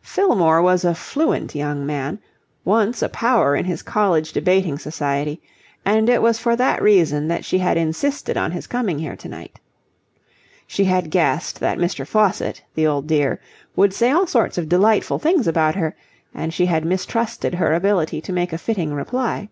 Fillmore was a fluent young man, once a power in his college debating society, and it was for that reason that she had insisted on his coming here tonight. She had guessed that Mr. Faucitt, the old dear, would say all sorts of delightful things about her, and she had mistrusted her ability to make a fitting reply.